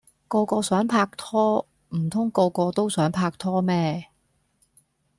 個個想拍拖，唔通個個都想拍拖咩